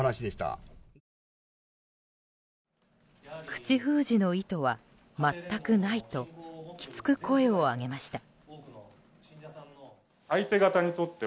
口封じの意図は全くないときつく声を上げました。